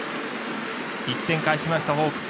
１点返しましたホークス。